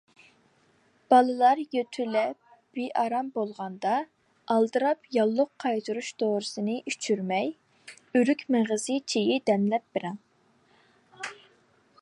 بالىلار يۆتىلىپ بىئارام بولغاندا، ئالدىراپ ياللۇغ قايتۇرۇش دورىسىنى ئىچۈرمەي، ئۆرۈك مېغىزى چېيى دەملەپ بېرىڭ.